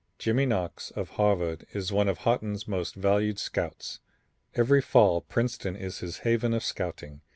Jimmy Knox of Harvard is one of Haughton's most valued scouts. Every fall Princeton is his haven of scouting.